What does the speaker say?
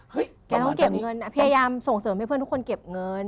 แกต้องเก็บเงินพยายามส่งเสริมให้เพื่อนทุกคนเก็บเงิน